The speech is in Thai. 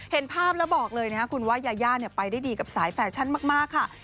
เห็นภาพแล้วบอกเลยนะครับคุณว่ายาย่าไปได้ดีกับสายแฟชั่นมากค่ะ